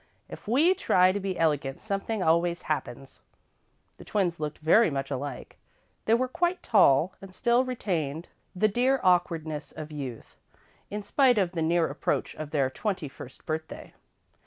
"If we try to be elegant, something always happens." The twins looked very much alike. They were quite tall and still retained the dear awkwardness of youth, in spite of the near approach of their twenty first birthday.